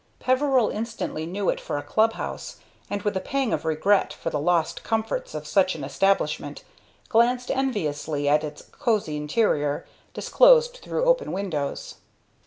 Peveril instantly knew it for a club house, and, with a pang of regret for the lost comforts of such an establishment, glanced enviously at its cosey interior, disclosed through open windows.